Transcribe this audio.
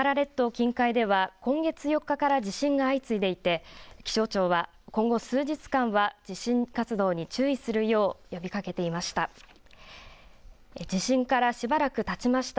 近海では今月４日から地震が相次いでいて気象庁は今後数日間は地震活動に注意するよう呼びかけていました。